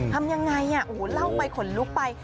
ทำยังไงโอ้โหเล่าไปขนลุกไป